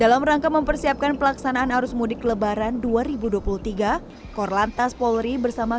dalam rangka mempersiapkan pelaksanaan arus mudik lebaran dua ribu dua puluh tiga korlantas polri bersama